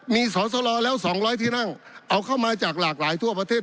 มีสอสลแล้ว๒๐๐ที่นั่งเอาเข้ามาจากหลากหลายทั่วประเทศ